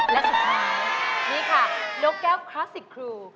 และสุดท้ายนี่ค่ะนกแก้วคลาสสิกครู